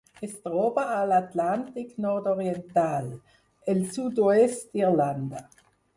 Es troba a l'Atlàntic nord-oriental: el sud-oest d'Irlanda.